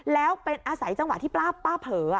แล้วเป็นอาศัยจังหวะที่ป้าเผลอ